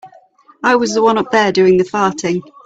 I was the one up there doing the farting.